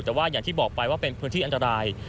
แต่ว่าอย่างที่บอกไปว่าเป็นพื้นที่อันตราย